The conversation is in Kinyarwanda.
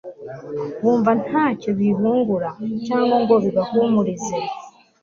bumva nta cyo bibungura cyangwa ngo bibahumurize